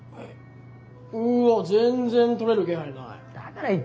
うわ全然取れる気配ない。